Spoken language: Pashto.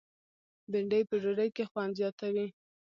بېنډۍ په ډوډۍ کې خوند زیاتوي